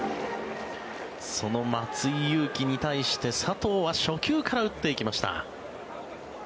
その松井裕樹に対して佐藤は初球から打っていきました。